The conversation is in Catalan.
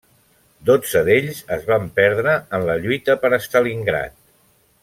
Dotze d'ells es van perdre en la lluita per Stalingrad.